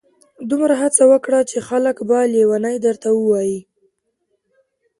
دومره هڅه وکړه چي خلک په لیوني درته ووایي.